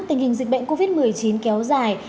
tình hình dịch bệnh covid một mươi chín kéo dài